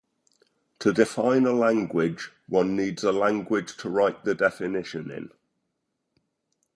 To define a language, one needs a language to write the definition in.